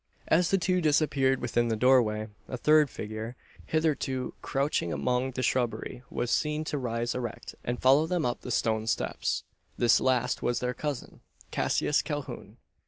As the two disappeared within the doorway, a third figure, hitherto crouching among the shrubbery, was seen to rise erect, and follow them up the stone steps. This last was their cousin, Cassius Calhoun.